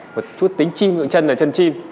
một chút tính chim ngưỡng chân là chân chim